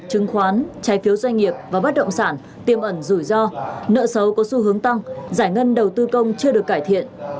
chứng khoán trái phiếu doanh nghiệp và bất động sản tiêm ẩn rủi ro nợ xấu có xu hướng tăng giải ngân đầu tư công chưa được cải thiện